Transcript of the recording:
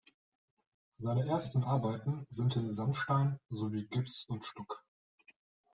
Seine ersten Arbeiten sind in Sandstein sowie Gips und Stuck.